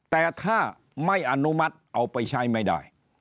แต่ถ้าไม่อนุมัติเอาไปใช้ไม่ได้